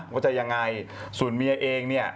ว่าจะยังไงส่วนเมียเองเนี่ย